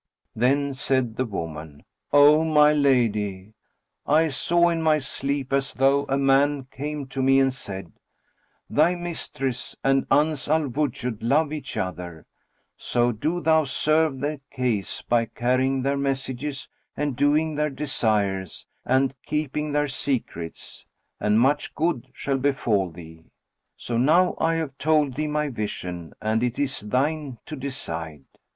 Then said the woman, "O my lady, I saw in my sleep as though a man came to me and said: 'Thy mistress and Uns al Wujud love each other; so do thou serve their case by carrying their messages and doing their desires and keeping their secrets; and much good shall befal thee.' So now I have told thee my vision and it is thine to decide."